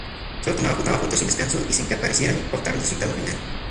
Solo tomaba fotos sin descanso y sin que pareciera importar el resultado final.